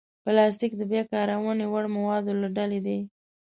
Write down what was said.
پلاستيک د بیا کارونې وړ موادو له ډلې دی.